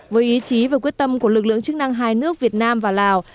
với ý chí và quyết tâm của lực lượng chức năng hai nước việt nam và lào